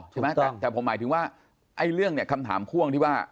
ใช่ไหมแต่ผมหมายถึงว่าไอ้เรื่องเนี่ยคำถามพ่วงที่ว่า